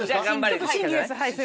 ちょっと審議です